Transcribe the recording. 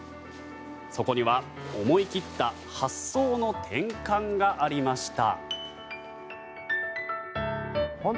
そこには思い切った発想の転換がありました。